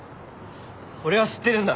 俺は知ってるんだ。